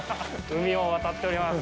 海を渡っております！